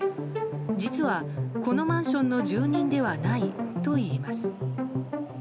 実は、このマンションの住人ではないといいます。